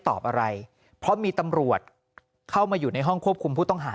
ตอบอะไรเพราะมีตำรวจเข้ามาอยู่ในห้องควบคุมผู้ต้องหา